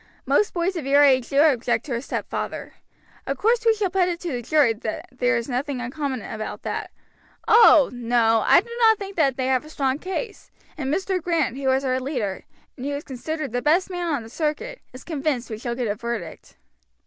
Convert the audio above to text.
Most boys of your age do object to a stepfather. Of course we shall put it to the jury that there is nothing uncommon about that. Oh! no, I do not think they have a strong case; and Mr. Grant, who is our leader, and who is considered the best man on the circuit, is convinced we shall get a verdict."